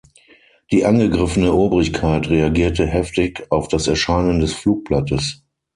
Die angegriffene Obrigkeit reagierte heftig auf das Erscheinen des Flugblattes.